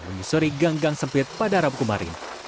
menyusuri gang gang sempit pada rabu kemarin